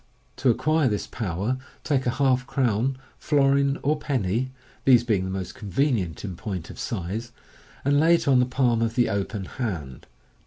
To acquire this power, take a half crown, florin, or penny (these being the most convenient in point of size), and lay it on the palm of the open hand.